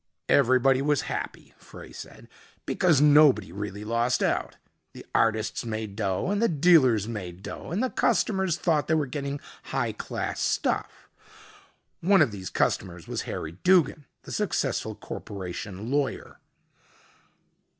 "Everybody was happy," Frey said, "because nobody really lost out. The artists made dough and the dealers made dough and the customers thought they were getting high class stuff. One of these customers was Harry Duggin, the successful corporation lawyer."